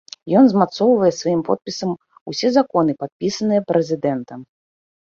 Ён змацоўвае сваім подпісам усё законы, падпісаныя прэзідэнтам.